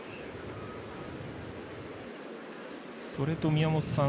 それと、宮本さん